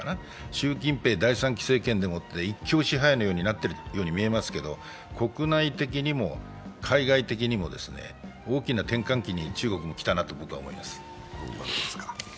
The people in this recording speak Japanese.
習近平第３期政権で一強支配になっているように見えますが国内的にも海外的にも、大きな転換期に中国も来たなと思います。